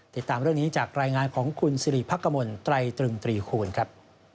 ติดตามเรื่องนี้จากรายงานของคุณสิริพักกมลไตรตรึงตรีคูณครับ